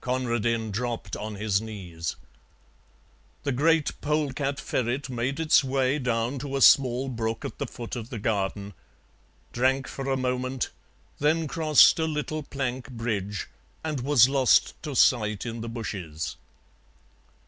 Conradin dropped on his knees. The great polecat ferret made its way down to a small brook at the foot of the garden, drank for a moment, then crossed a little plank bridge and was lost to sight in the bushes.